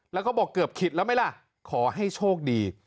แล้วก็บอกเกือบคิดแล้วไหมล่ะขอให้โชคดี